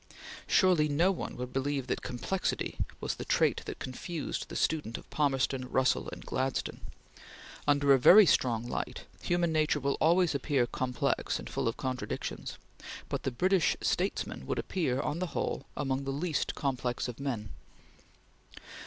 Surely no one would believe that complexity was the trait that confused the student of Palmerston, Russell, and Gladstone. Under a very strong light human nature will always appear complex and full of contradictions, but the British statesman would appear, on the whole, among the least complex of men.